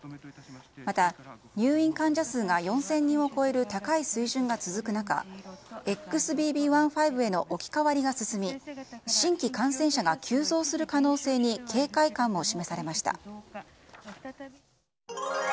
また入院患者数が４０００人を超える高い水準が続く中ＸＢＢ．１．５への置き換わりが進み新規感染者が急増する可能性に警戒感も示されました。